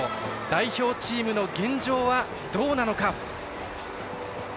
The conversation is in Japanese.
代表チームの現状はどうなのか。